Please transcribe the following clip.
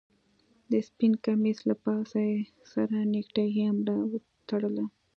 د سپين کميس له پاسه يې سره نيكټايي هم راوتړله.